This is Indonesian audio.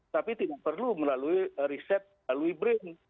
tapi tidak perlu melalui riset melalui brin